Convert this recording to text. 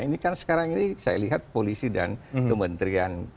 ini kan sekarang ini saya lihat polisi dan kementerian